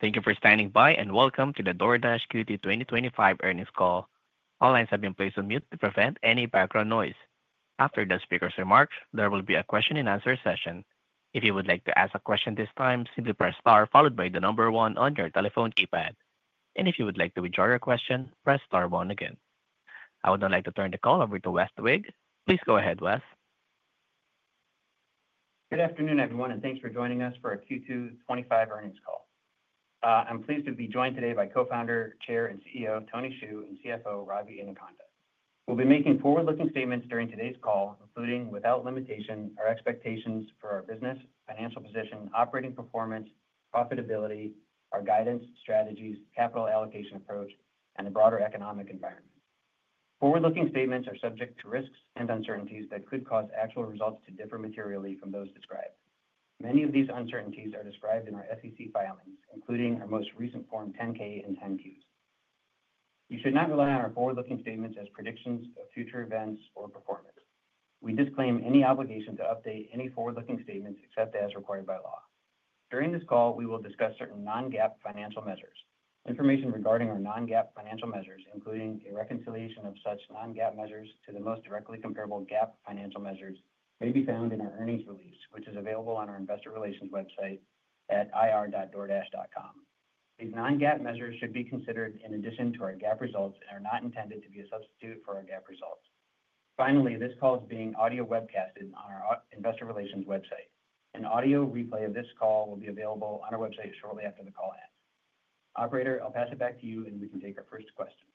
Thank you for standing by and welcome to the DoorDash Q2 2025 earnings call. All lines have been placed on mute to prevent any background noise. After the speakers' remarks, there will be a question and answer session. If you would like to ask a question at this time, simply press star followed by the number one on your telephone keypad. If you would like to withdraw your question, press star one again. I would now like to turn the call over to Weston Twigg. Please go ahead, West. Good afternoon, everyone, and thanks for joining us for our Q2 2025 earnings call. I'm pleased to be joined today by Co-Founder, Chair, and CEO Tony Xu and CFO Ravi Inukonda. We'll be making forward-looking statements during today's call, including without limitation our expectations for our business, financial position, operating performance, profitability, our guidance, strategies, capital allocation approach, and the broader economic environment. Forward-looking statements are subject to risks and uncertainties that could cause actual results to differ materially from those described. Many of these uncertainties are described in our SEC filings, including our most recent Form 10-K and 10-Qs. You should not rely on our forward-looking statements as predictions of future events or performance. We disclaim any obligation to update any forward-looking statements except as required by law. During this call, we will discuss certain non-GAAP financial measures. Information regarding our non-GAAP financial measures, including a reconciliation of such non-GAAP measures to the most directly comparable GAAP financial measures, may be found in our earnings release, which is available on our investor relations website at ir.doordash.com. These non-GAAP measures should be considered in addition to our GAAP results and are not intended to be a substitute for our GAAP results. Finally, this call is being audio webcasted on our investor relations website. An audio replay of this call will be available on our website shortly after the call ends. Operator, I'll pass it back to you and we can take our first question.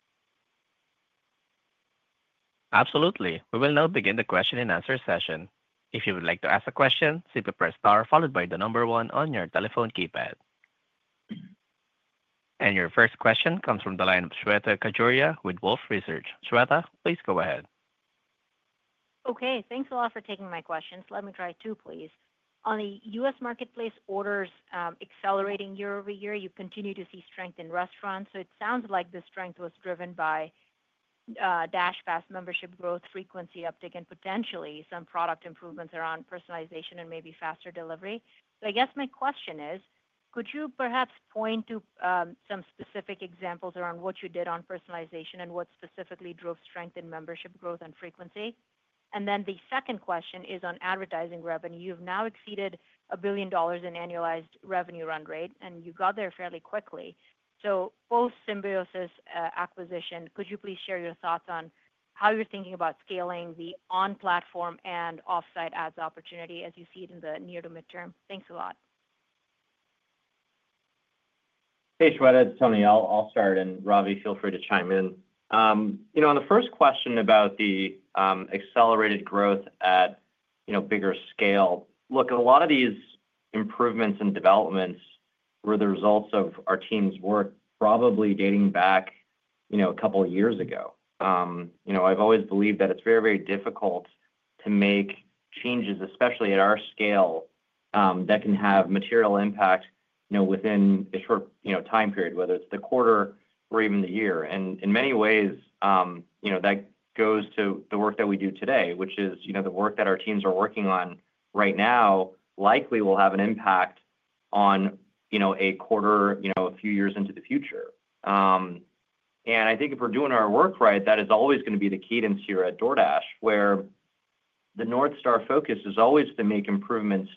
Absolutely. We will now begin the question and answer session. If you would like to ask a question, simply press star followed by the number one on your telephone keypad. Your first question comes from the line of Shweta Khajuria with Wolfe Research. Shweta, please go ahead. Okay, thanks a lot for taking my questions. Let me try two, please. On the U.S. marketplace orders accelerating year-over-year, you continue to see strength in restaurants. It sounds like the strength was driven by DashPass membership growth, frequency uptake, and potentially some product improvements around personalization and maybe faster delivery. I guess my question is, could you perhaps point to some specific examples around what you did on personalization and what specifically drove strength in membership growth and frequency? The second question is on advertising revenue. You've now exceeded $1 billion in annualized revenue run rate, and you got there fairly quickly. Post-Symbiosys acquisition, could you please share your thoughts on how you're thinking about scaling the on-platform and offsite ads opportunity as you see it in the near to midterm? Thanks a lot. Hey, Shweta, it's Tony. I'll start, and Ravi, feel free to chime in. On the first question about the accelerated growth at bigger scale, a lot of these improvements and developments were the results of our team's work, probably dating back a couple of years ago. I've always believed that it's very, very difficult to make changes, especially at our scale, that can have material impact within a short time period, whether it's the quarter or even the year. In many ways, that goes to the work that we do today, which is the work that our teams are working on right now likely will have an impact on a quarter a few years into the future. I think if we're doing our work right, that is always going to be the cadence here at DoorDash, where the North Star focus is always to make improvements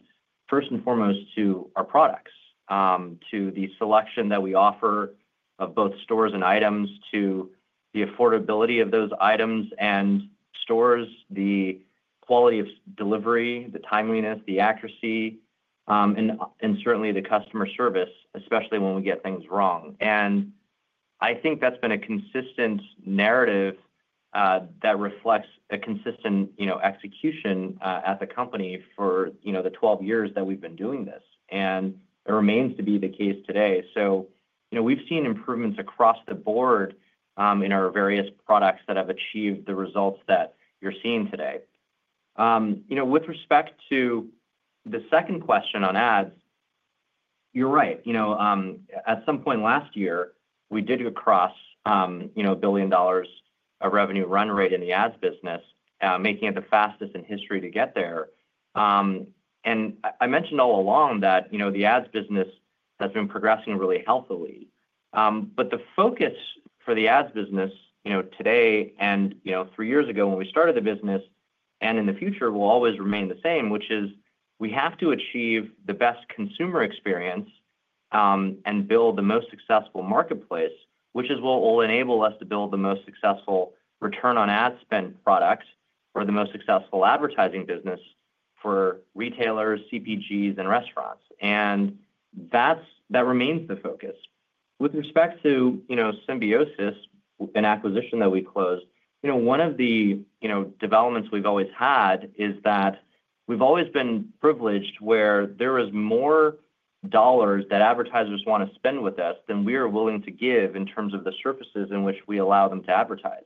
first and foremost to our products, to the selection that we offer of both stores and items, to the affordability of those items and stores, the quality of delivery, the timeliness, the accuracy, and certainly the customer service, especially when we get things wrong. I think that's been a consistent narrative that reflects a consistent execution at the company for the 12 years that we've been doing this. It remains to be the case today. We've seen improvements across the board in our various products that have achieved the results that you're seeing today. With respect to the second question on ads, you're right. At some point last year, we did go across $1 billion of revenue run rate in the ads business, making it the fastest in history to get there. I mentioned all along that the ads business has been progressing really healthily. The focus for the ads business today and three years ago when we started the business and in the future will always remain the same, which is we have to achieve the best consumer experience and build the most successful marketplace, which is what will enable us to build the most successful return on ad spend product or the most successful advertising business for retailers, CPGs, and restaurants. That remains the focus. With respect to Symbiosys, an acquisition that we closed, one of the developments we've always had is that we've always been privileged where there are more dollars that advertisers want to spend with us than we are willing to give in terms of the surfaces in which we allow them to advertise.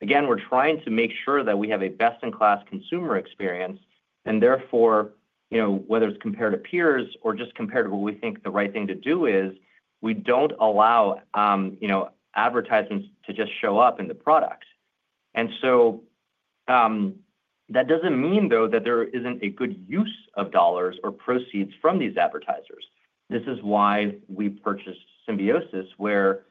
We're trying to make sure that we have a best-in-class consumer experience and therefore, whether it's compared to peers or just compared to what we think the right thing to do is, we don't allow advertisers to just show up in the product. That doesn't mean though that there isn't a good use of dollars or proceeds from these advertisers. This is why we purchased Symbiosys, where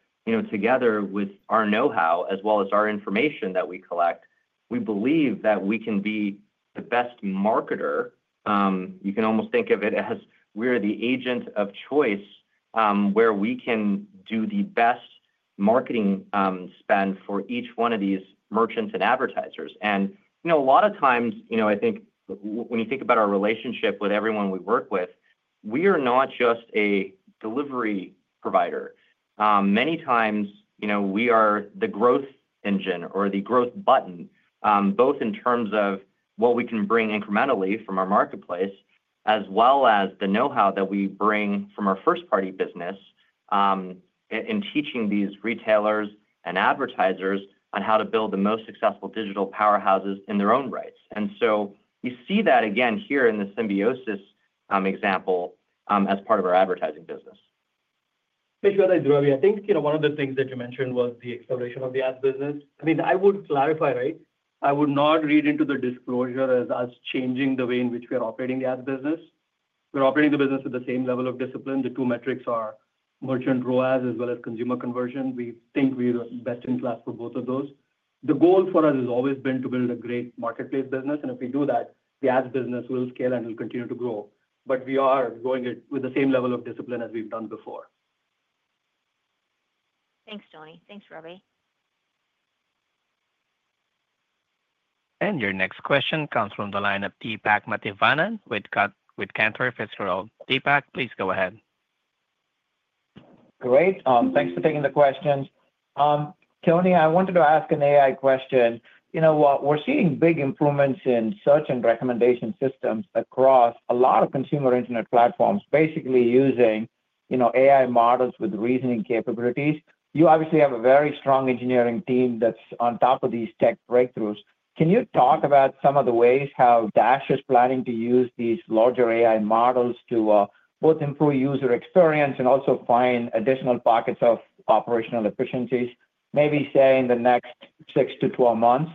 together with our know-how as well as our information that we collect, we believe that we can be the best marketer. You can almost think of it as we're the agent of choice where we can do the best marketing spend for each one of these merchants and advertisers. A lot of times, I think when you think about our relationship with everyone we work with, we are not just a delivery provider. Many times, we are the growth engine or the growth button, both in terms of what we can bring incrementally from our marketplace, as well as the know-how that we bring from our first-party business in teaching these retailers and advertisers on how to build the most successful digital powerhouses in their own rights. You see that again here in the Symbiosys example as part of our advertising business. Shweta Khajuria, I think, you know, one of the things that you mentioned was the acceleration of the ad business. I mean, I would clarify, right? I would not read into the disclosure as us changing the way in which we are operating the ad business. We're operating the business with the same level of discipline. The two metrics are merchant ROAS as well as consumer conversion. We think we are the best in class for both of those. The goal for us has always been to build a great marketplace business, and if we do that, the ad business will scale and will continue to grow. We are growing it with the same level of discipline as we've done before. Thanks, Tony. Thanks, Ravi. Your next question comes from the line of Deepak Mathivanan with Cantor Fitzgerald. Deepak, please go ahead. Great. Thanks for taking the question. Tony, I wanted to ask an AI question. We're seeing big improvements in search and recommendation systems across a lot of consumer internet platforms, basically using AI models with reasoning capabilities. You obviously have a very strong engineering team that's on top of these tech breakthroughs. Can you talk about some of the ways how Dash is planning to use these larger AI models to both improve user experience and also find additional pockets of operational efficiencies? Maybe say in the next 6 to 12 months.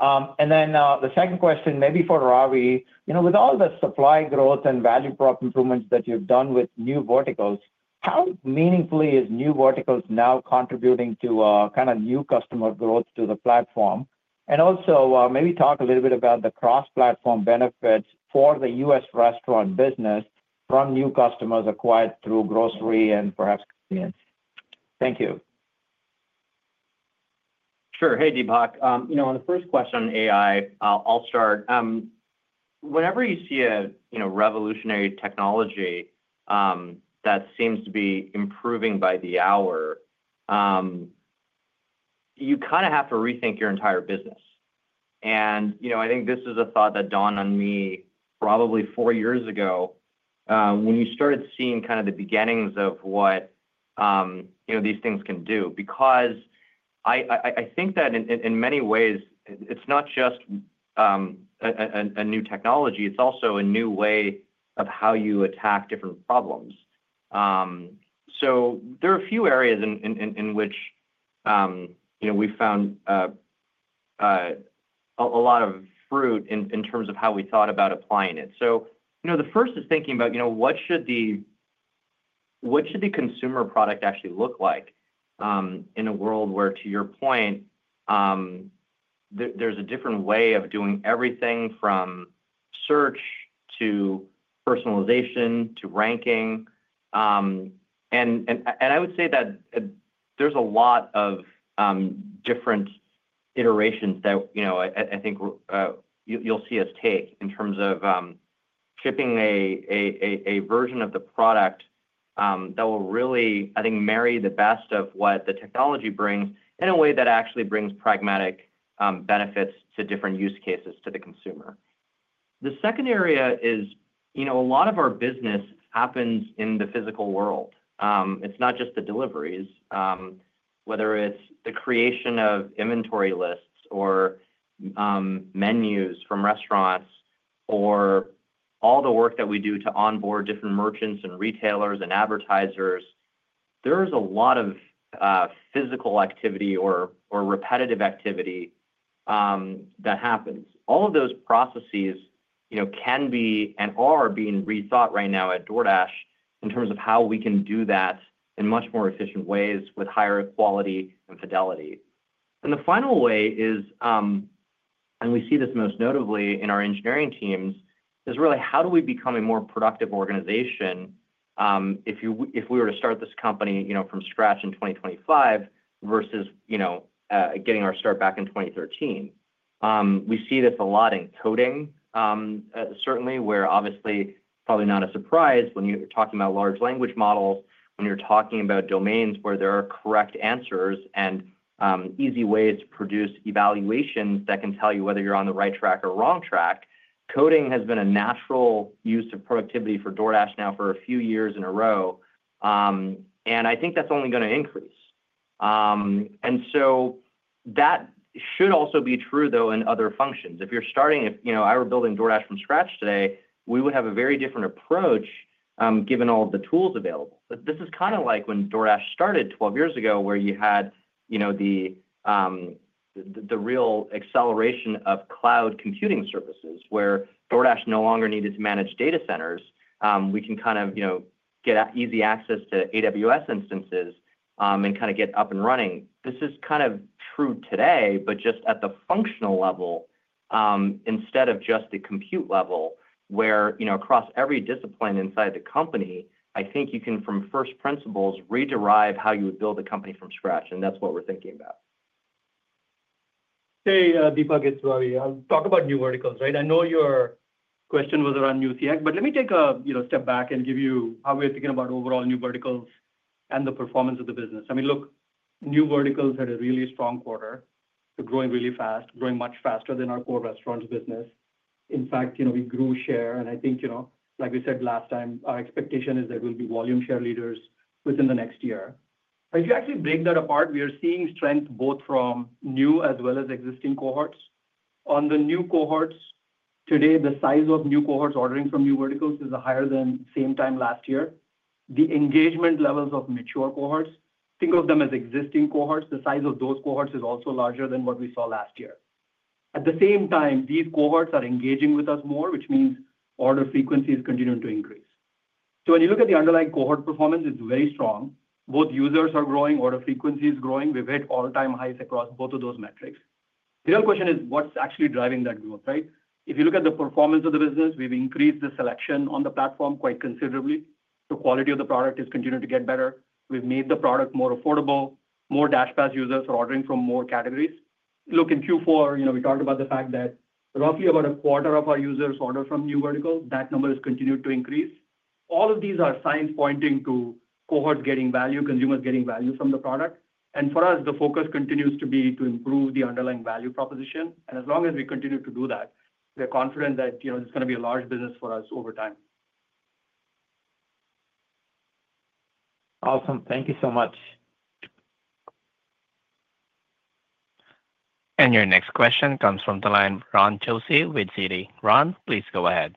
The second question, maybe for Ravi, with all the supply growth and value prop improvements that you've done with new verticals, how meaningfully is new verticals now contributing to a kind of new customer growth to the platform? Also maybe talk a little bit about the cross-platform benefits for the U.S. restaurant business from new customers acquired through grocery and perhaps convenience. Thank you. Sure. Hey, Deepak. On the first question on AI, I'll start. Whenever you see a revolutionary technology that seems to be improving by the hour, you kind of have to rethink your entire business. I think this is a thought that dawned on me probably four years ago when you started seeing the beginnings of what these things can do. I think that in many ways, it's not just a new technology, it's also a new way of how you attack different problems. There are a few areas in which we found a lot of fruit in terms of how we thought about applying it. The first is thinking about what should the consumer product actually look like in a world where, to your point, there's a different way of doing everything from search to personalization to ranking. I would say that there's a lot of different iterations that I think you'll see us take in terms of shipping a version of the product that will really marry the best of what the technology brings in a way that actually brings pragmatic benefits to different use cases to the consumer. The second area is a lot of our business happens in the physical world. It's not just the deliveries, whether it's the creation of inventory lists or menus from restaurants or all the work that we do to onboard different merchants and retailers and advertisers. There is a lot of physical activity or repetitive activity that happens. All of those processes can be and are being rethought right now at DoorDash in terms of how we can do that in much more efficient ways with higher quality and fidelity. The final way is, and we see this most notably in our engineering teams, really how do we become a more productive organization if we were to start this company from scratch in 2025 versus getting our start back in 2013. We see this a lot in coding, certainly, where obviously, probably not a surprise when you're talking about large language models, when you're talking about domains where there are correct answers and easy ways to produce evaluations that can tell you whether you're on the right track or wrong track. Coding has been a natural use of productivity for DoorDash now for a few years in a row, and I think that's only going to increase. That should also be true, though, in other functions. If you're starting, if I were building DoorDash from scratch today, we would have a very different approach given all the tools available. This is kind of like when DoorDash started 12 years ago, where you had the real acceleration of cloud computing services, where DoorDash no longer needed to manage data centers. We can get easy access to AWS instances and get up and running. This is kind of true today, but just at the functional level instead of just the compute level, where across every discipline inside the company, I think you can, from first principles, re-derive how you would build a company from scratch, and that's what we're thinking about. Hey, Deepak and Shweta, I'll talk about new verticals, right? I know your question was around new CX, but let me take a step back and give you how we're thinking about overall new verticals and the performance of the business. I mean, look, new verticals had a really strong quarter. We're growing really fast, growing much faster than our core restaurant business. In fact, we grew share, and like we said last time, our expectation is that we'll be volume share leaders within the next year. If you actually break that apart, we are seeing strength both from new as well as existing cohorts. On the new cohorts today, the size of new cohorts ordering from new verticals is higher than the same time last year. The engagement levels of mature cohorts, think of them as existing cohorts, the size of those cohorts is also larger than what we saw last year. At the same time, these cohorts are engaging with us more, which means order frequency is continuing to increase. When you look at the underlying cohort performance, it's very strong. Both users are growing, order frequency is growing. We've hit all-time highs across both of those metrics. The real question is what's actually driving that growth, right? If you look at the performance of the business, we've increased the selection on the platform quite considerably. The quality of the product is continuing to get better. We've made the product more affordable. More DashPass users are ordering from more categories. In Q4, we talked about the fact that roughly about a quarter of our users order from new verticals. That number has continued to increase. All of these are signs pointing to cohorts getting value, consumers getting value from the product. For us, the focus continues to be to improve the underlying value proposition. As long as we continue to do that, we're confident that it's going to be a large business for us over time. Awesome. Thank you so much. Your next question comes from the line of Ron Josey with Citi. Ron, please go ahead.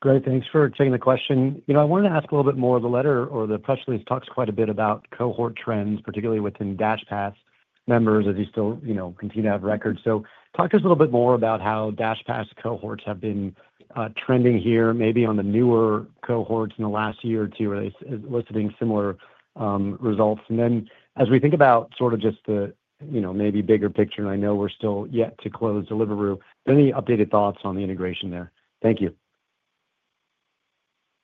Great. Thanks for taking the question. I wanted to ask a little bit more. The letter or the press release talks quite a bit about cohort trends, particularly within DashPass members as you still continue to have records. Talk to us a little bit more about how DashPass cohorts have been trending here, maybe on the newer cohorts in the last year or two, or are they eliciting similar results? As we think about sort of just the bigger picture, and I know we're still yet to close Deliveroo, any updated thoughts on the integration there? Thank you.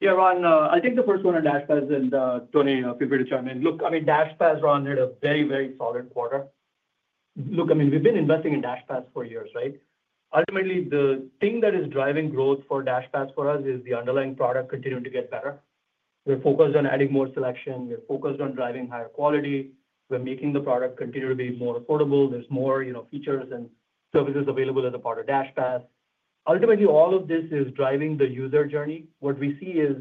Yeah, Ron, I think the first one on DashPass, and Tony, feel free to chime in. Look, I mean, DashPass, Ron, had a very, very solid quarter. Look, I mean, we've been investing in DashPass for years, right? Ultimately, the thing that is driving growth for DashPass for us is the underlying product continuing to get better. We're focused on adding more selection. We're focused on driving higher quality. We're making the product continue to be more affordable. There are more features and services available as a part of DashPass. Ultimately, all of this is driving the user journey. What we see is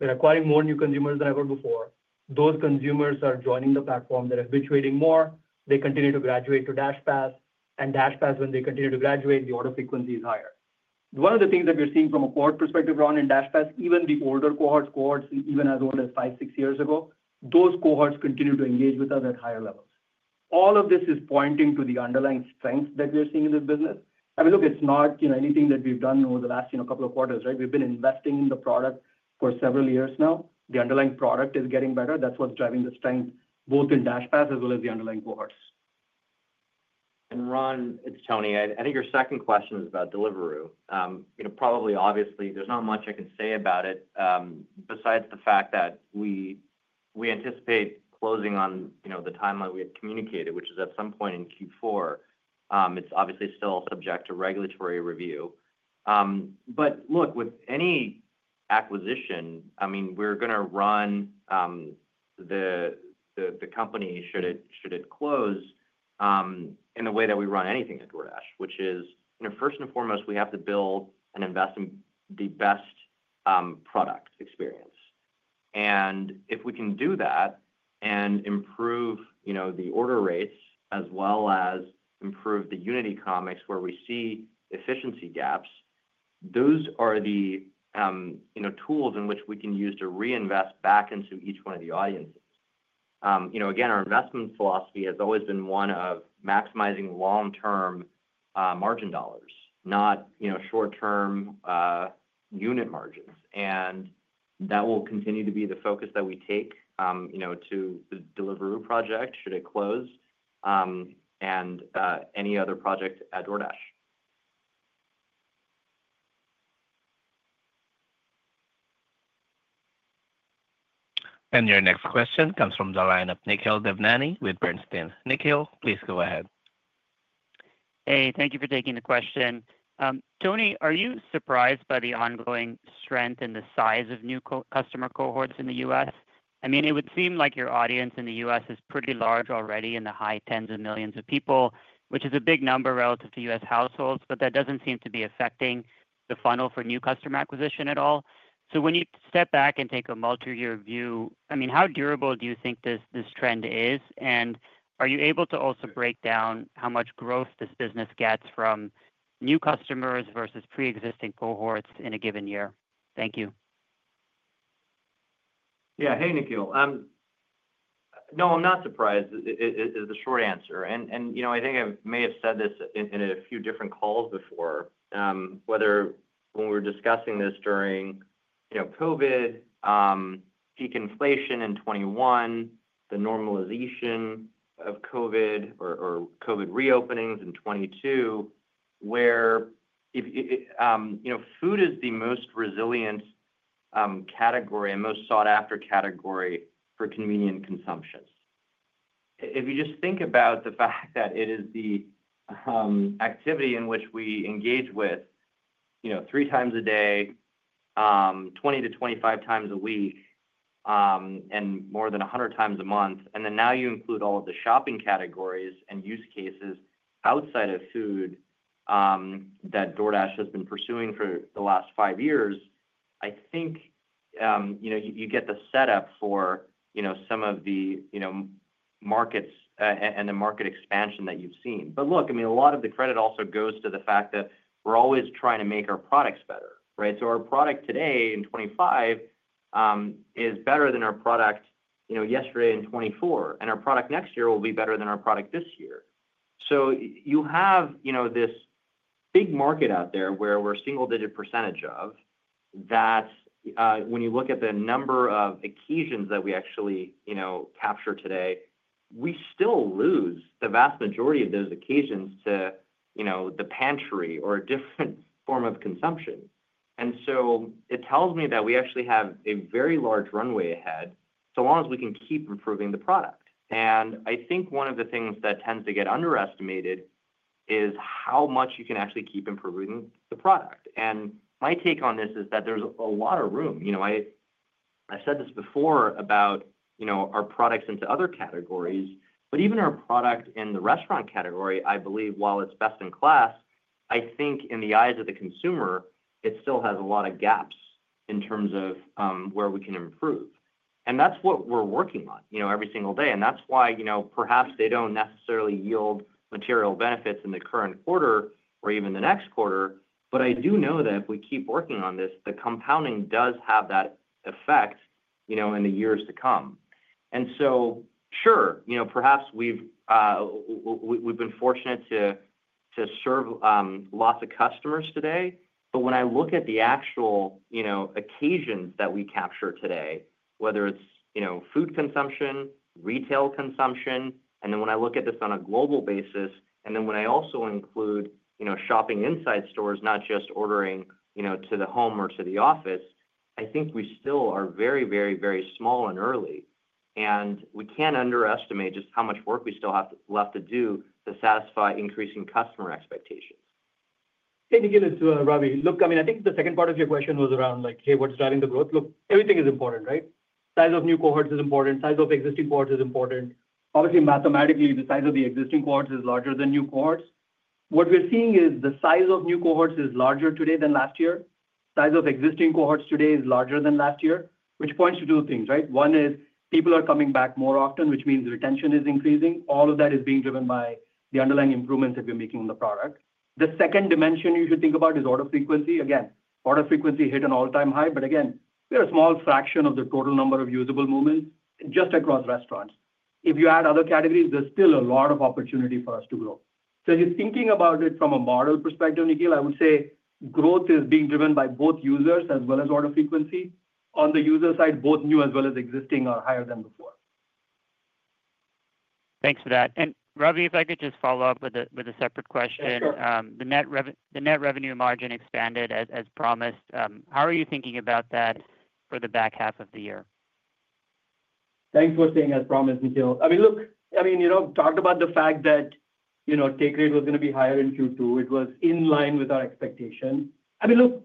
we're acquiring more new consumers than ever before. Those consumers are joining the platform. They're habituating more. They continue to graduate to DashPass. When they continue to graduate, the order frequency is higher. One of the things that we're seeing from a cohort perspective, Ron, in DashPass, even the older cohorts, cohorts even as old as five, six years ago, those cohorts continue to engage with us at higher levels. All of this is pointing to the underlying strength that we're seeing in this business. I mean, look, it's not anything that we've done over the last couple of quarters, right? We've been investing in the product for several years now. The underlying product is getting better. That's what's driving the strength both in DashPass as well as the underlying cohorts. Ron, it's Tony. I think your second question is about Deliveroo. There's not much I can say about it, besides the fact that we anticipate closing on the timeline we had communicated, which is at some point in Q4. It's still subject to regulatory review. With any acquisition, we're going to run the company, should it close, in the way that we run anything at DoorDash, which is, first and foremost, we have to build and invest in the best product experience. If we can do that and improve the order rates as well as improve the unit economics where we see efficiency gaps, those are the tools in which we can use to reinvest back into each one of the audiences. Our investment philosophy has always been one of maximizing long-term margin dollars, not short-term unit margins. That will continue to be the focus that we take to the Deliveroo project, should it close, and any other project at DoorDash. Your next question comes from the line of Nikhil Devnani with Bernstein. Nikhil, please go ahead. Hey, thank you for taking the question. Tony, are you surprised by the ongoing strength in the size of new customer cohorts in the U.S.? I mean, it would seem like your audience in the U.S. is pretty large already in the high tens of millions of people, which is a big number relative to U.S. households, but that doesn't seem to be affecting the funnel for new customer acquisition at all. When you step back and take a multi-year view, how durable do you think this trend is? Are you able to also break down how much growth this business gets from new customers versus pre-existing cohorts in a given year? Thank you. Yeah, hey, Nikhil. No, I'm not surprised is the short answer. I think I may have said this in a few different calls before, whether when we were discussing this during COVID, peak inflation in 2021, the normalization of COVID or COVID reopenings in 2022, where food is the most resilient category and most sought-after category for convenient consumption. If you just think about the fact that it is the activity in which we engage with 3x a day, 20x-25x a week, and more than 100x a month, and then now you include all of the shopping categories and use cases outside of food that DoorDash has been pursuing for the last five years, I think you get the setup for some of the markets and the market expansion that you've seen. Look, a lot of the credit also goes to the fact that we're always trying to make our products better, right? Our product today in 2025 is better than our product yesterday in 2024, and our product next year will be better than our product this year. You have this big market out there where we're a single-digit percentage of that when you look at the number of occasions that we actually capture today. We still lose the vast majority of those occasions to the pantry or a different form of consumption. It tells me that we actually have a very large runway ahead so long as we can keep improving the product. I think one of the things that tends to get underestimated is how much you can actually keep improving the product. My take on this is that there's a lot of room. I said this before about our products into other categories, but even our product in the restaurant category, I believe while it's best in class, I think in the eyes of the consumer, it still has a lot of gaps in terms of where we can improve. That's what we're working on every single day. Perhaps they don't necessarily yield material benefits in the current quarter or even the next quarter, but I do know that if we keep working on this, the compounding does have that effect in the years to come. Sure, perhaps we've been fortunate to serve lots of customers today, but when I look at the actual occasions that we capture today, whether it's food consumption, retail consumption, and then when I look at this on a global basis, and then when I also include shopping inside stores, not just ordering to the home or to the office, I think we still are very, very, very small and early. We can't underestimate just how much work we still have left to do to satisfy increasing customer expectations. Hey, Nikhil, it's Ravi, I think the second part of your question was around like, hey, what's driving the growth? Everything is important, right? Size of new cohorts is important. Size of existing cohorts is important. Obviously, mathematically, the size of the existing cohorts is larger than new cohorts. What we're seeing is the size of new cohorts is larger today than last year. Size of existing cohorts today is larger than last year, which points to two things, right? One is people are coming back more often, which means retention is increasing. All of that is being driven by the underlying improvements that we're making in the product. The second dimension you should think about is order frequency. Order frequency hit an all-time high, but again, we're a small fraction of the total number of usable moments just across restaurants. If you add other categories, there's still a lot of opportunity for us to grow. Just thinking about it from a model perspective, Nikhil, I would say growth is being driven by both users as well as order frequency. On the user side, both new as well as existing are higher than before. Thanks for that. Ravi, if I could just follow up with a separate question. The net revenue margin expanded as promised. How are you thinking about that for the back half of the year? Thanks for saying as promised, Nikhil. Look, you talked about the fact that take rate was going to be higher in Q2. It was in line with our expectation. Look,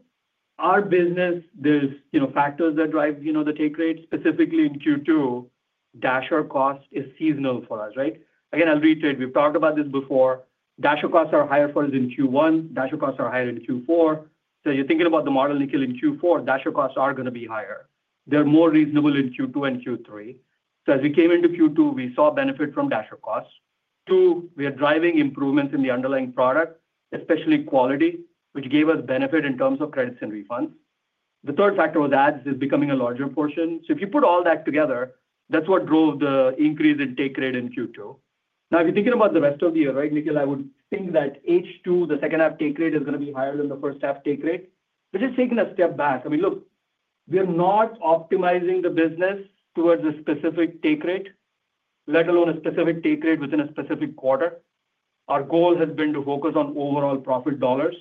our business, there are factors that drive the take rate specifically in Q2. Dasher cost is seasonal for us, right? Again, I'll reiterate. We've talked about this before. Dasher costs are higher for us in Q1. Dasher costs are higher in Q4. If you're thinking about the model, Nikhil, in Q4, Dasher costs are going to be higher. They're more reasonable in Q2 and Q3. As we came into Q2, we saw benefit from Dasher costs. Two, we are driving improvements in the underlying product, especially quality, which gave us benefit in terms of credits and refunds. The third factor was ads is becoming a larger portion. If you put all that together, that's what drove the increase in take rate in Q2. If you're thinking about the rest of the year, Nikhil, I would think that H2, the second half take rate, is going to be higher than the first half take rate. Just taking a step back, look, we are not optimizing the business towards a specific take rate, let alone a specific take rate within a specific quarter. Our goals have been to focus on overall profit dollars.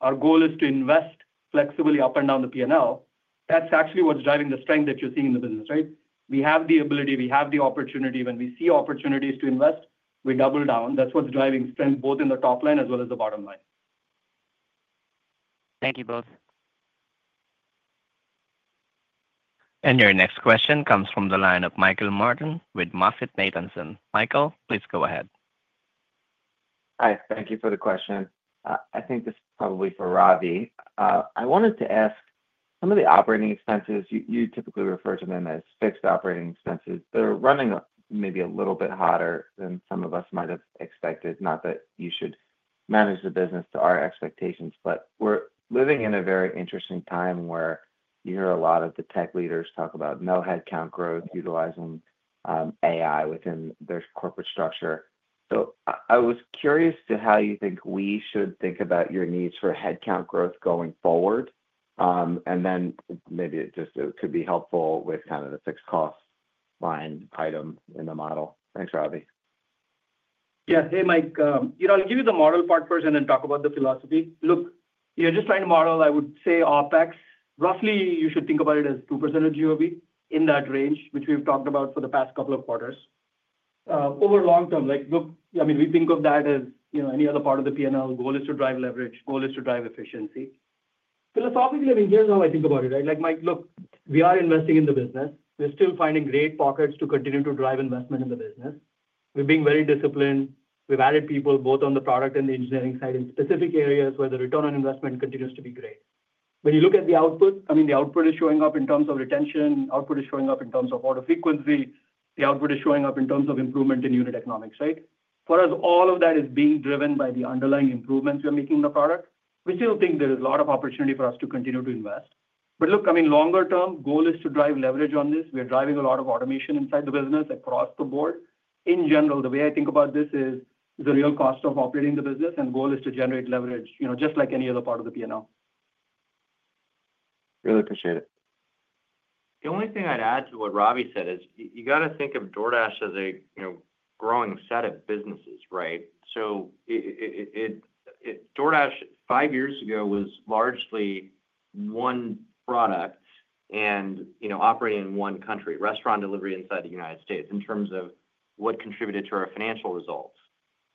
Our goal is to invest flexibly up and down the P&L. That's actually what's driving the strength that you're seeing in the business, right? We have the ability, we have the opportunity. When we see opportunities to invest, we double down. That's what's driving strength both in the top line as well as the bottom line. Thank you both. Your next question comes from the line of Michael McGovern with Bank of America. Michael, please go ahead. Hi, thank you for the question. I think this is probably for Ravi. I wanted to ask some of the operating expenses. You typically refer to them as fixed operating expenses. They're running maybe a little bit hotter than some of us might have expected. Not that you should manage the business to our expectations, but we're living in a very interesting time where you hear a lot of the tech leaders talk about no headcount growth utilizing AI within their corporate structure. I was curious to how you think we should think about your needs for headcount growth going forward, and then maybe it just could be helpful with kind of the fixed cost line item in the model. Thanks, Ravi. Yeah, hey Mike, I'll give you the model part first and then talk about the philosophy. Look, you're just trying to model, I would say, OpEx. Roughly, you should think about it as 2% of GOV in that range, which we've talked about for the past couple of quarters. Over long term, we think of that as any other part of the P&L. Goal is to drive leverage, goal is to drive efficiency. Philosophically, here's how I think about it, right? Mike, we are investing in the business. We're still finding great pockets to continue to drive investment in the business. We're being very disciplined. We've added people both on the product and the engineering side in specific areas where the return on investment continues to be great. When you look at the output, the output is showing up in terms of retention. Output is showing up in terms of order frequency. The output is showing up in terms of improvement in unit economics, right? For us, all of that is being driven by the underlying improvements we're making in the product. We still think there is a lot of opportunity for us to continue to invest. Longer term, goal is to drive leverage on this. We're driving a lot of automation inside the business across the board. In general, the way I think about this is the real cost of operating the business and goal is to generate leverage, just like any other part of the P&L. Really appreciate it. The only thing I'd add to what Ravi said is you got to think of DoorDash as a growing set of businesses, right? DoorDash five years ago was largely one product and operating in one country, restaurant delivery inside the U.S. in terms of what contributed to our financial results.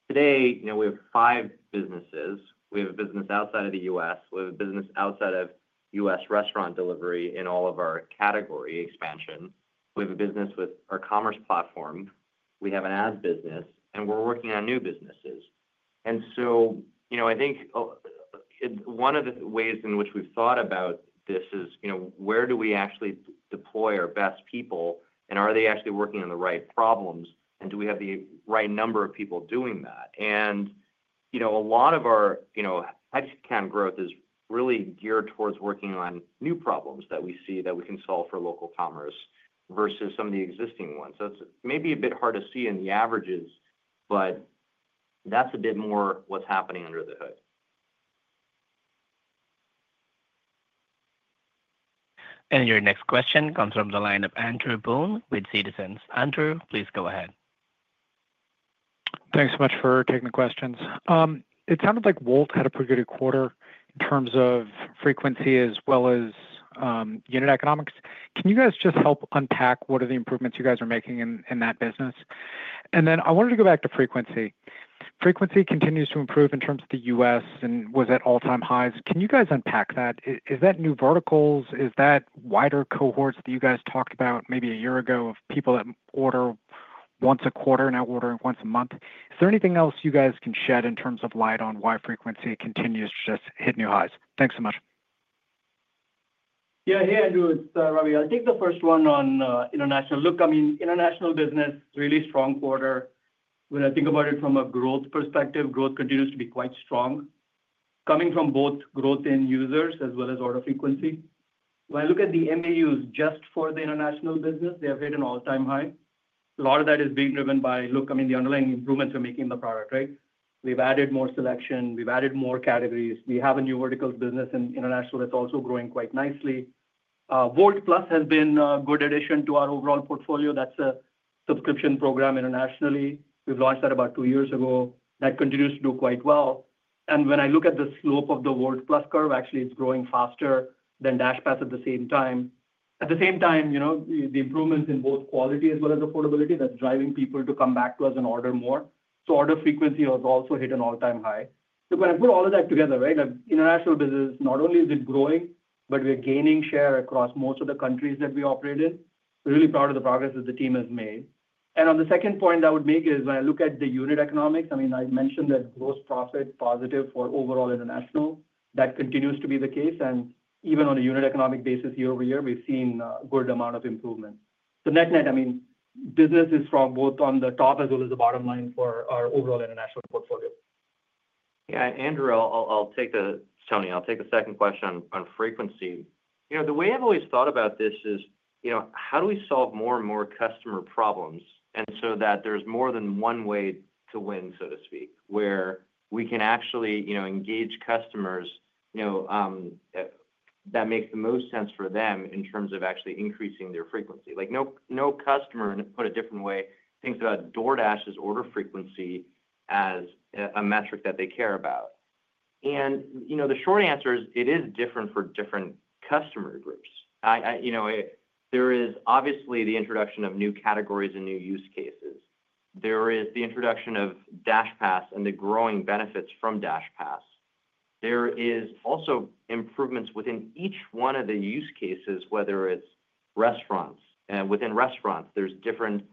Today, we have five businesses. We have a business outside of the U.S. We have a business outside of U.S. restaurant delivery in all of our category expansion. We have a business with our commerce platform. We have an ad business, and we're working on new businesses. I think one of the ways in which we've thought about this is where do we actually deploy our best people, and are they actually working on the right problems, and do we have the right number of people doing that? A lot of our headcount growth is really geared towards working on new problems that we see that we can solve for local commerce versus some of the existing ones. It's maybe a bit hard to see in the averages, but that's a bit more what's happening under the hood. Your next question comes from the line of Andrew Boone with Citizens. Andrew, please go ahead. Thanks so much for taking the questions. It sounded like Wolt had a pretty good quarter in terms of frequency as well as unit economics. Can you guys just help unpack what are the improvements you guys are making in that business? I wanted to go back to frequency. Frequency continues to improve in terms of the U.S. and was at all-time highs. Can you guys unpack that? Is that new verticals? Is that wider cohorts that you guys talked about maybe a year ago of people that order once a quarter and now ordering once a month? Is there anything else you guys can shed in terms of light on why frequency continues to just hit new highs? Thanks so much. Yeah, hey Andrew, it's Ravi. I think the first one on international. Look, I mean, international business is a really strong quarter. When I think about it from a growth perspective, growth continues to be quite strong coming from both growth in users as well as order frequency. When I look at the MAUs just for the international business, they have hit an all-time high. A lot of that is being driven by the underlying improvements we're making in the product, right? We've added more selection. We've added more categories. We have a new vertical business in international that's also growing quite nicely. Wolt+ has been a good addition to our overall portfolio. That's a subscription program internationally. We've launched that about two years ago. That continues to do quite well. When I look at the slope of the Wolt+ curve, actually, it's growing faster than DashPass at the same time. At the same time, the improvements in both quality as well as affordability, that's driving people to come back to us and order more. Order frequency has also hit an all-time high. When I put all of that together, international business, not only is it growing, but we're gaining share across most of the countries that we operate in. Really proud of the progress that the team has made. The second point I would make is when I look at the unit economics, I mean, I mentioned that gross profit positive for overall international. That continues to be the case. Even on a unit economic basis, year-over-year, we've seen a good amount of improvement. Net net, I mean, business is strong both on the top as well as the bottom line for our overall international portfolio. Yeah, Andrew, I'll take the, Tony, I'll take the second question on frequency. The way I've always thought about this is how do we solve more and more customer problems so that there's more than one way to win, so to speak, where we can actually engage customers in a way that makes the most sense for them in terms of actually increasing their frequency. No customer, to put it a different way, thinks about DoorDash's order frequency as a metric that they care about. The short answer is it is different for different customer groups. There is obviously the introduction of new categories and new use cases. There is the introduction of DashPass and the growing benefits from DashPass. There are also improvements within each one of the use cases, whether it's restaurants. Within restaurants, there are different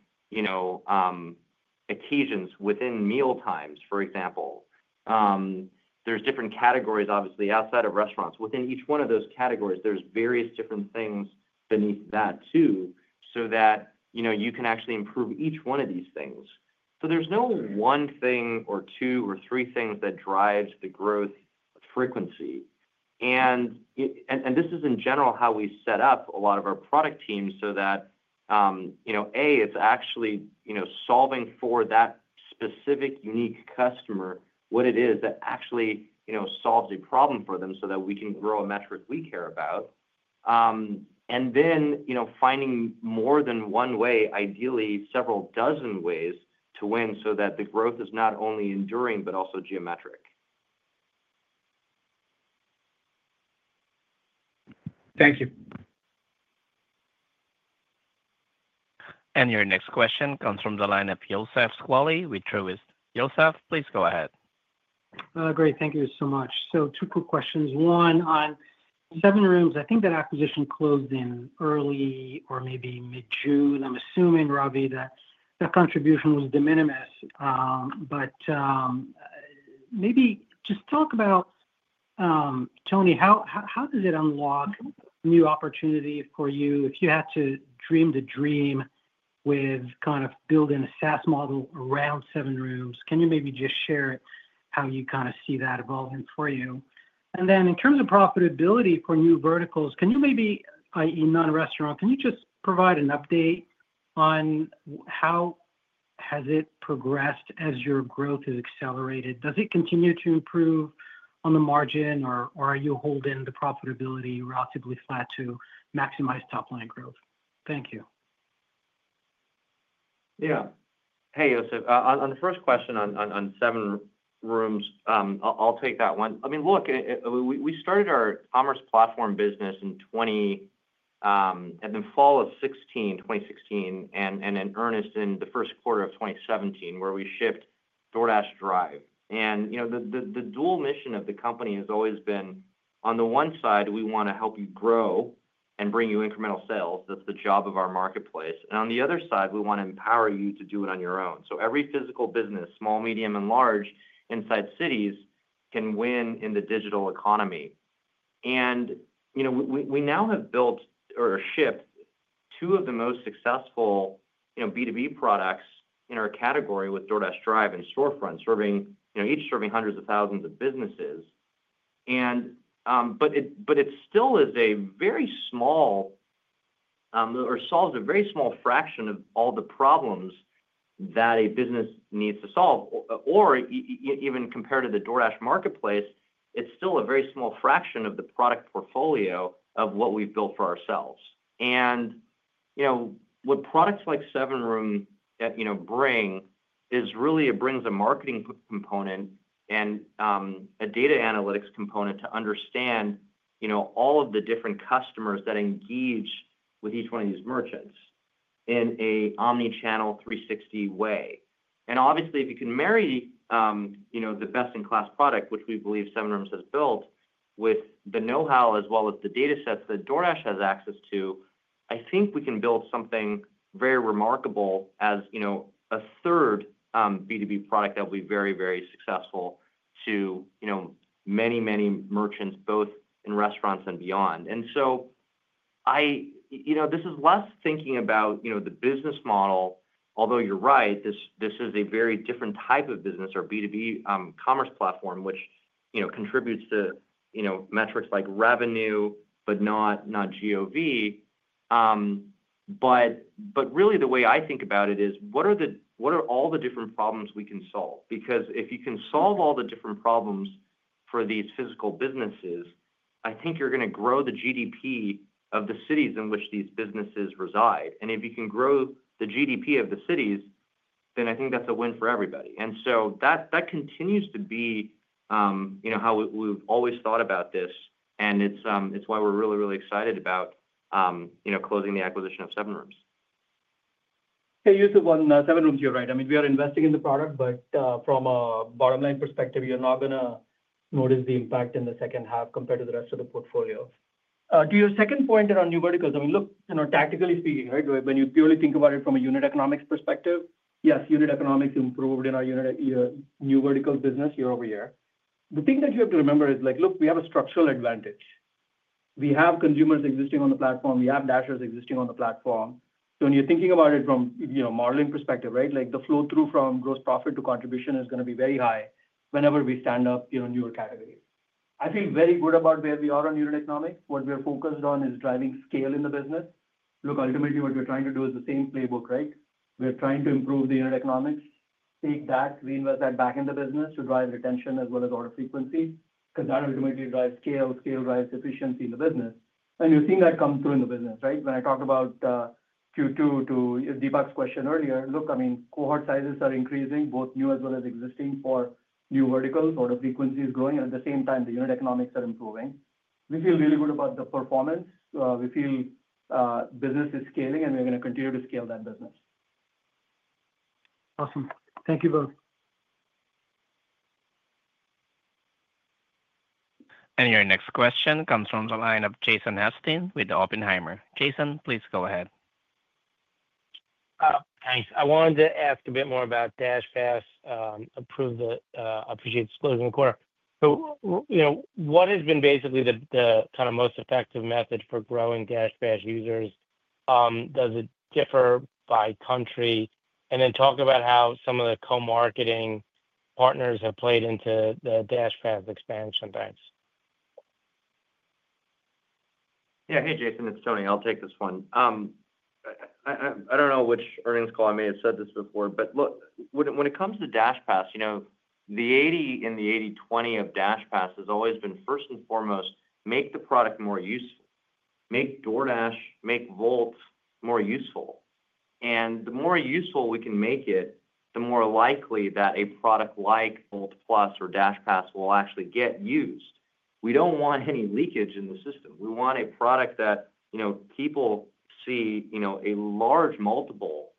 occasions within meal times, for example. There are different categories, obviously, outside of restaurants. Within each one of those categories, there are various different things beneath that too, so that you can actually improve each one of these things. There is no one thing or two or three things that drives the growth frequency. This is in general how we set up a lot of our product teams so that, A, it's actually solving for that specific unique customer, what it is that actually solves a problem for them so that we can grow a metric we care about, and then finding more than one way, ideally several dozen ways to win so that the growth is not only enduring but also geometric. Thank you. Your next question comes from the line of Youssef Squali with Truist. Yosef, please go ahead. Great, thank you so much. Two quick questions. One on SevenRooms. I think that acquisition closed in early or maybe mid-June. I'm assuming, Ravi, that the contribution was de minimis. Maybe just talk about, Tony, how does it unlock new opportunity for you if you had to dream the dream with kind of building a SaaS model around SevenRooms? Can you maybe just share how you kind of see that evolving for you? In terms of profitability for new verticals, i.e., non-restaurant, can you just provide an update on how it has progressed as your growth has accelerated? Does it continue to improve on the margin, or are you holding the profitability relatively flat to maximize top line growth? Thank you. Yeah. Hey, Yosef. On the first question on SevenRooms, I'll take that one. I mean, look, we started our commerce platform business in 2016 and in earnest in the first quarter of 2017 where we shipped DoorDash Drive. The dual mission of the company has always been, on the one side, we want to help you grow and bring you incremental sales. That's the job of our marketplace. On the other side, we want to empower you to do it on your own, so every physical business, small, medium, and large inside cities can win in the digital economy. We now have built or shipped two of the most successful B2B products in our category with DoorDash Drive and Storefront, each serving hundreds of thousands of businesses. It still is a very small or solves a very small fraction of all the problems that a business needs to solve. Even compared to the DoorDash marketplace, it's still a very small fraction of the product portfolio of what we've built for ourselves. What products like SevenRooms bring is really it brings a marketing component and a data analytics component to understand all of the different customers that engage with each one of these merchants in an omnichannel 360 way. Obviously, if you can marry the best-in-class product, which we believe SevenRooms has built, with the know-how as well as the data sets that DoorDash has access to, I think we can build something very remarkable as a third B2B product that will be very, very successful to many, many merchants, both in restaurants and beyond. This is less thinking about the business model, although you're right, this is a very different type of business or B2B commerce platform, which contributes to metrics like revenue, but not GOV. Really, the way I think about it is what are all the different problems we can solve? Because if you can solve all the different problems for these physical businesses, I think you're going to grow the GDP of the cities in which these businesses reside. If you can grow the GDP of the cities, then I think that's a win for everybody. That continues to be how we've always thought about this, and it's why we're really, really excited about closing the acquisition of SevenRooms. Hey, Youssef, on SevenRooms, you're right. I mean, we are investing in the product, but from a bottom line perspective, you're not going to notice the impact in the second half compared to the rest of the portfolio. To your second point around new verticals, I mean, look, you know, tactically speaking, right, when you purely think about it from a unit economics perspective, yes, unit economics improved in our new vertical business year-over-year. The thing that you have to remember is, like, look, we have a structural advantage. We have consumers existing on the platform. We have Dashers existing on the platform. When you're thinking about it from, you know, a modeling perspective, right, the flow through from gross profit to contribution is going to be very high whenever we stand up newer categories. I feel very good about where we are on unit economics. What we're focused on is driving scale in the business. Ultimately, what we're trying to do is the same playbook, right? We're trying to improve the unit economics, take that, reinvest that back in the business to drive retention as well as order frequency, because that ultimately drives scale. Scale drives efficiency in the business. You're seeing that come through in the business, right? When I talked about Q2 to Deepak's question earlier, I mean, cohort sizes are increasing, both new as well as existing for new verticals. Order frequency is growing, and at the same time, the unit economics are improving. We feel really good about the performance. We feel business is scaling, and we're going to continue to scale that business. Awesome. Thank you both. Your next question comes from the line of Jason Helfstein with Oppenheimer. Jason, please go ahead. Thanks. I wanted to ask a bit more about DashPass, approved the opportunity disclosure in the quarter. What has been basically the kind of most effective method for growing DashPass users? Does it differ by country? Talk about how some of the co-marketing partners have played into the DashPass expansion times. Yeah, hey Jason, it's Tony. I'll take this one. I don't know which earnings call I made said this before, but look, when it comes to DashPass, you know, the 80 and the 80-20 of DashPass has always been first and foremost, make the product more useful. Make DoorDash, make Wolt more useful. The more useful we can make it, the more likely that a product like Wolt+ or DashPass will actually get used. We don't want any leakage in the system. We want a product that, you know, people see, you know, a large multiple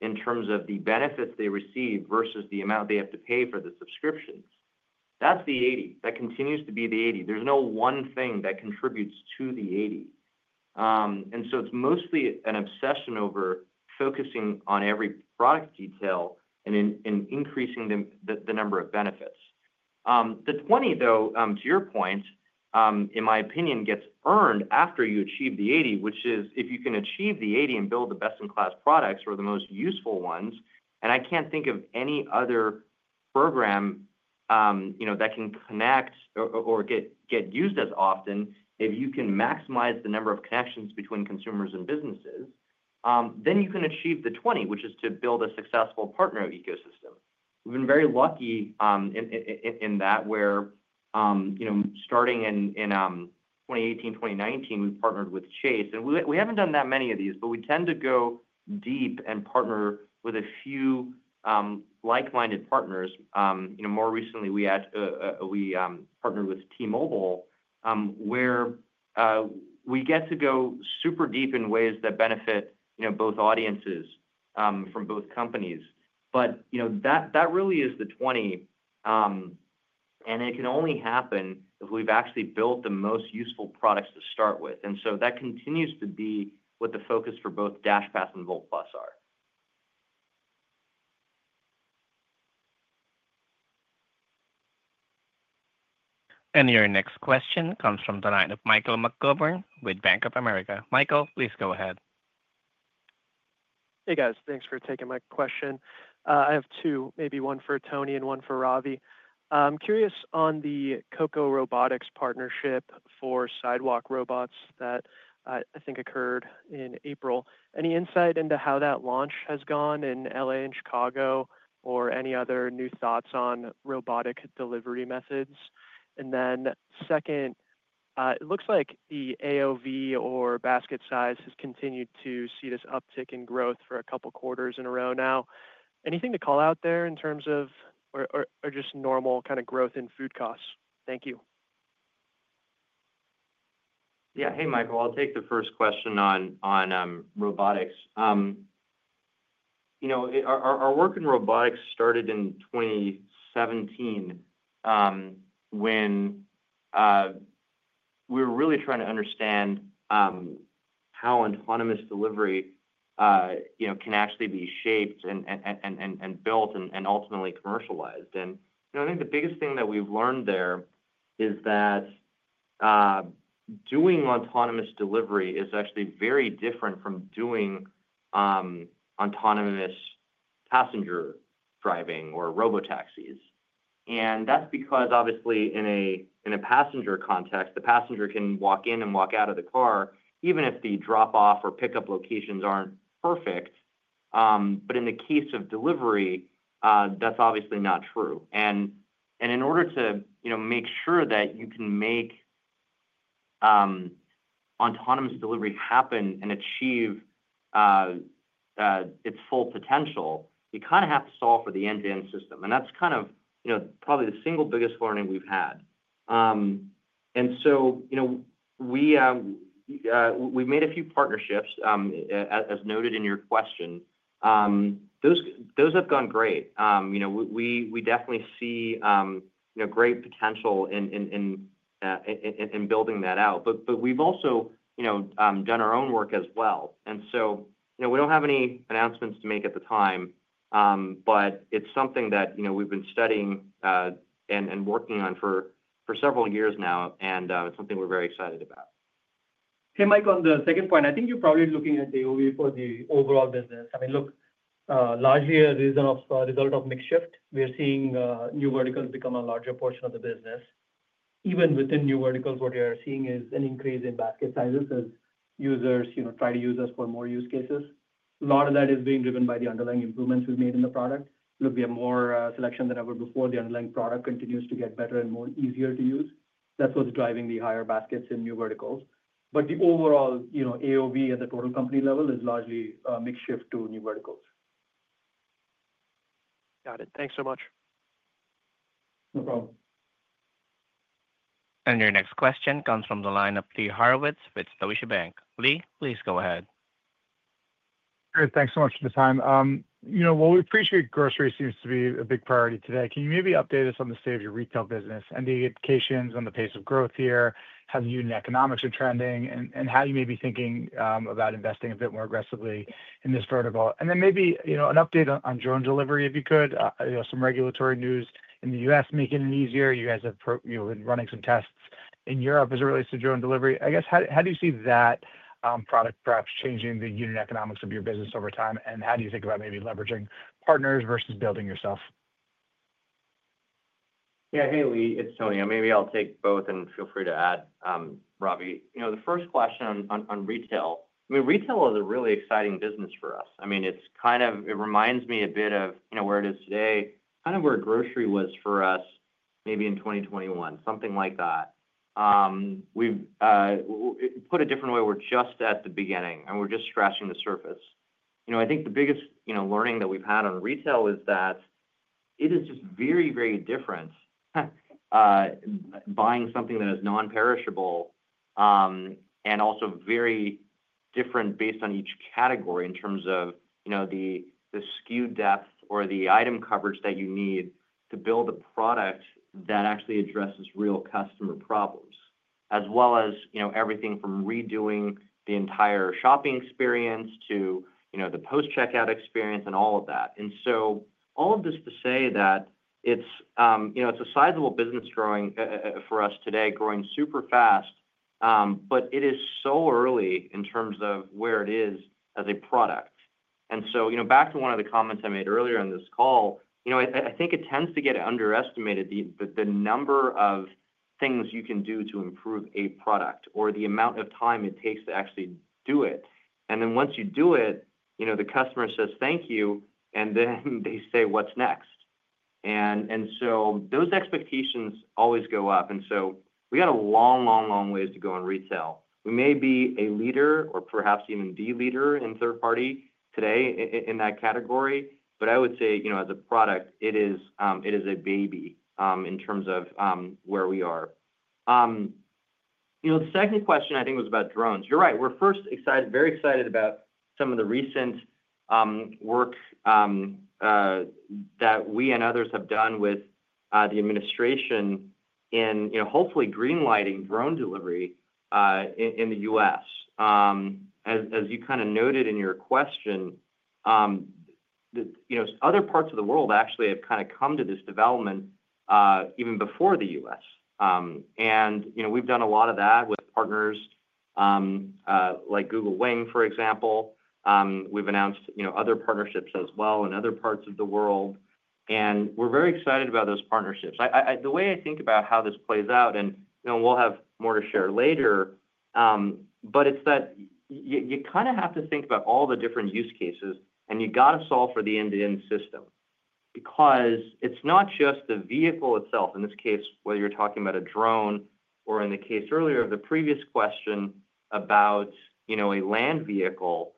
in terms of the benefits they receive versus the amount they have to pay for the subscriptions. That's the 80. That continues to be the 80. There's no one thing that contributes to the 80. It's mostly an obsession over focusing on every product detail and increasing the number of benefits. The 20, though, to your point, in my opinion, gets earned after you achieve the 80, which is if you can achieve the 80 and build the best-in-class products or the most useful ones. I can't think of any other program, you know, that can connect or get used as often. If you can maximize the number of connections between consumers and businesses, then you can achieve the 20, which is to build a successful partner ecosystem. We've been very lucky in that where, you know, starting in 2018, 2019, we partnered with Chase. We haven't done that many of these, but we tend to go deep and partner with a few like-minded partners. You know, more recently, we partnered with T-Mobile, where we get to go super deep in ways that benefit, you know, both audiences from both companies. That really is the 20. It can only happen if we've actually built the most useful products to start with. That continues to be what the focus for both DashPass and Wolt+ are. Your next question comes from the line of Michael McGovern with Bank of America. Michael, please go ahead. Hey guys, thanks for taking my question. I have two, maybe one for Tony and one for Ravi. I'm curious on the Coco Robotics partnership for sidewalk robots that I think occurred in April. Any insight into how that launch has gone in L.A. and Chicago or any other new thoughts on robotic delivery methods? It looks like the AOV or basket size has continued to see this uptick in growth for a couple quarters in a row now. Anything to call out there in terms of, or just normal kind of growth in food costs? Thank you. Yeah, hey Michael, I'll take the first question on robotics. Our work in robotics started in 2017 when we were really trying to understand how autonomous delivery can actually be shaped and built and ultimately commercialized. I think the biggest thing that we've learned there is that doing autonomous delivery is actually very different from doing autonomous passenger driving or robotaxis. That's because, obviously, in a passenger context, the passenger can walk in and walk out of the car, even if the drop-off or pick-up locations aren't perfect. In the case of delivery, that's obviously not true. In order to make sure that you can make autonomous delivery happen and achieve its full potential, you kind of have to solve for the end-to-end system. That's probably the single biggest learning we've had. We've made a few partnerships, as noted in your question. Those have gone great. We definitely see great potential in building that out. We've also done our own work as well. We don't have any announcements to make at the time, but it's something that we've been studying and working on for several years now. It's something we're very excited about. Hey Mike, on the second point, I think you're probably looking at the AOV for the overall business. I mean, look, largely a result of mix shift. We are seeing new verticals become a larger portion of the business. Even within new verticals, what we are seeing is an increase in basket sizes as users, you know, try to use us for more use cases. A lot of that is being driven by the underlying improvements we've made in the product. Look, we have more selection than ever before. The underlying product continues to get better and easier to use. That's what's driving the higher baskets in new verticals. The overall AOV at the total company level is largely a mix shift to new verticals. Got it. Thanks so much. Your next question comes from the line of Lee Horowitz with Deutsche Bank. Lee, please go ahead. Great, thanks so much for the time. While we appreciate grocery seems to be a big priority today, can you maybe update us on the state of your retail business, any indications on the pace of growth here, how the unit economics are trending, and how you may be thinking about investing a bit more aggressively in this vertical? Maybe an update on drone delivery, if you could, some regulatory news in the U.S. making it easier. You guys have been running some tests in Europe as it relates to drone delivery. I guess, how do you see that product perhaps changing the unit economics of your business over time? How do you think about maybe leveraging partners versus building yourself? Yeah, hey Lee, it's Tony. Maybe I'll take both and feel free to add, Ravi. The first question on retail. Retail is a really exciting business for us. It reminds me a bit of where it is today, kind of where grocery was for us maybe in 2021, something like that. Put a different way, we're just at the beginning and we're just scratching the surface. I think the biggest learning that we've had on retail is that it is just very, very different buying something that is non-perishable and also very different based on each category in terms of the SKU depth or the item coverage that you need to build a product that actually addresses real customer problems, as well as everything from redoing the entire shopping experience to the post-checkout experience and all of that. All of this to say that it's a sizable business growing for us today, growing super fast, but it is so early in terms of where it is as a product. Back to one of the comments I made earlier on this call, I think it tends to get underestimated the number of things you can do to improve a product or the amount of time it takes to actually do it. Once you do it, the customer says, thank you, and then they say, what's next? Those expectations always go up. We got a long, long, long ways to go in retail. We may be a leader or perhaps even the leader in third party today in that category, but I would say as a product, it is a baby in terms of where we are. The second question I think was about drones. You're right. We're first excited, very excited about some of the recent work that we and others have done with the administration in hopefully greenlighting drone delivery in the U.S. As you noted in your question, other parts of the world actually have come to this development even before the U.S. We've done a lot of that with partners like Google Wing, for example. We've announced other partnerships as well in other parts of the world. We're very excited about those partnerships. The way I think about how this plays out, and we'll have more to share later, but it's that you have to think about all the different use cases, and you got to solve for the end-to-end system because it's not just the vehicle itself. In this case, whether you're talking about a drone or in the case earlier of the previous question about a land vehicle,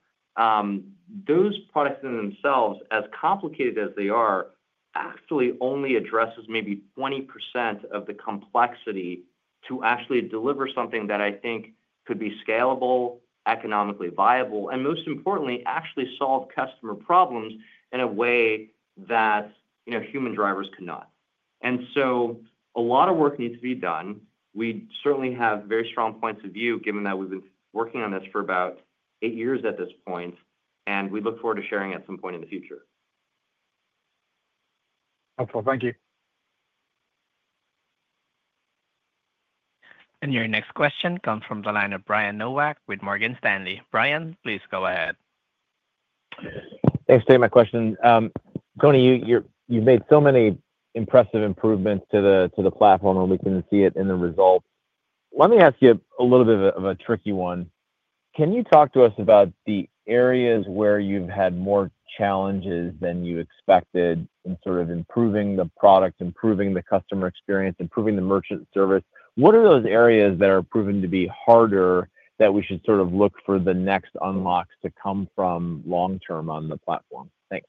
those products in themselves, as complicated as they are, actually only address maybe 20% of the complexity to actually deliver something that I think could be scalable, economically viable, and most importantly, actually solve customer problems in a way that human drivers cannot. A lot of work needs to be done. We certainly have very strong points of view given that we've been working on this for about eight years at this point, and we look forward to sharing at some point in the future. Helpful. Thank you. Your next question comes from the line of Brian Nowak with Morgan Stanley. Brian, please go ahead. Thanks for taking my question. Tony, you've made so many impressive improvements to the platform, and we can see it in the results. Let me ask you a little bit of a tricky one. Can you talk to us about the areas where you've had more challenges than you expected in sort of improving the product, improving the customer experience, improving the merchant service? What are those areas that are proven to be harder that we should sort of look for the next unlocks to come from long-term on the platform? Thanks.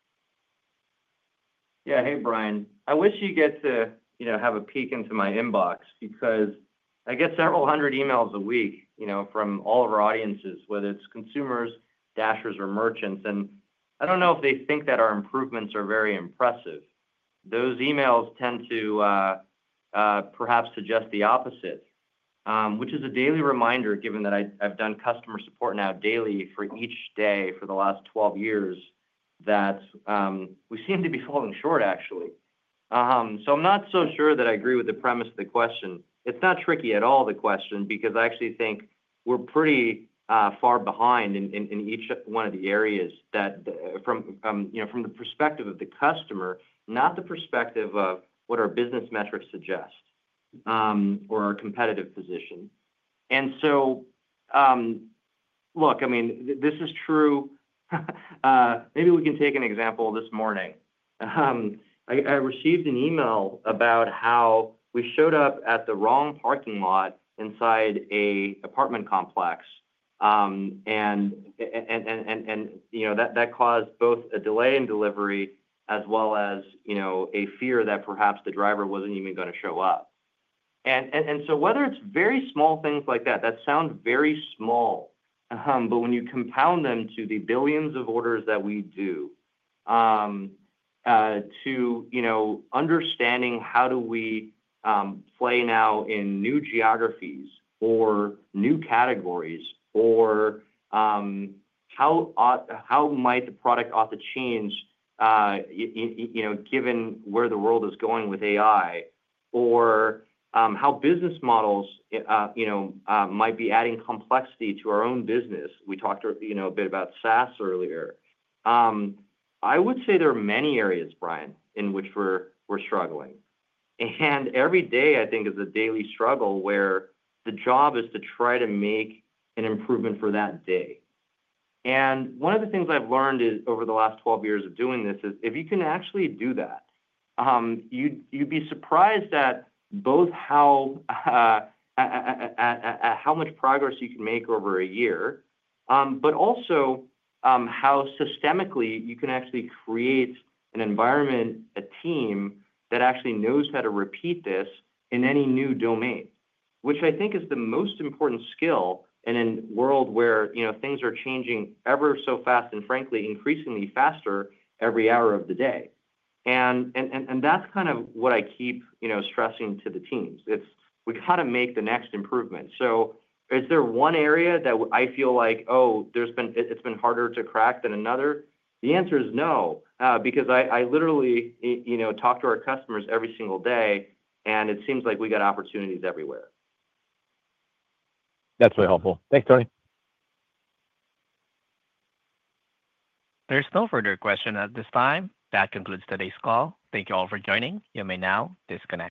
Yeah, hey Brian. I wish you could, you know, have a peek into my inbox because I get several hundred emails a week from all of our audiences, whether it's consumers, Dashers, or merchants. I don't know if they think that our improvements are very impressive. Those emails tend to perhaps suggest the opposite, which is a daily reminder, given that I've done customer support now daily for each day for the last 12 years, that we seem to be falling short, actually. I'm not so sure that I agree with the premise of the question. It's not tricky at all, the question, because I actually think we're pretty far behind in each one of the areas that, from the perspective of the customer, not the perspective of what our business metrics suggest or our competitive position. This is true. Maybe we can take an example this morning. I received an email about how we showed up at the wrong parking lot inside an apartment complex, and that caused both a delay in delivery as well as a fear that perhaps the driver wasn't even going to show up. Whether it's very small things like that, that sound very small, but when you compound them to the billions of orders that we do, to understanding how do we play now in new geographies or new categories, or how might the product ought to change given where the world is going with AI, or how business models might be adding complexity to our own business. We talked a bit about SaaS earlier. I would say there are many areas, Brian, in which we're struggling. Every day, I think, is a daily struggle where the job is to try to make an improvement for that day. One of the things I've learned over the last 12 years of doing this is if you can actually do that, you'd be surprised at both how much progress you can make over a year, but also how systemically you can actually create an environment, a team that actually knows how to repeat this in any new domain, which I think is the most important skill in a world where things are changing ever so fast and frankly, increasingly faster every hour of the day. That's kind of what I keep stressing to the teams. We've got to make the next improvement. Is there one area that I feel like, oh, it's been harder to crack than another? The answer is no, because I literally talk to our customers every single day, and it seems like we got opportunities everywhere. That's very helpful. Thanks, Tony. There’s no further question at this time. That concludes today’s call. Thank you all for joining. You may now disconnect.